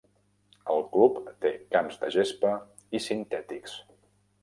El club té camps de gespa i sintètics.